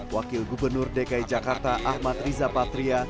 wakil gubernur dki jakarta ahmad riza patria